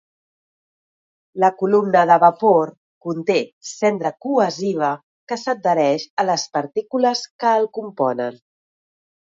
La columna de vapor conté cendra cohesiva que s'adhereix a les partícules que el componen.